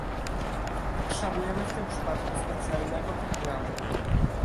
Potrzebujemy w tym przypadku specjalnego programu